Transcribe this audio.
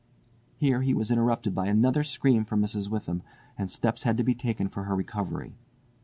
Here he was interrupted by another scream from Mrs. Witham, and steps had to be taken for her recovery.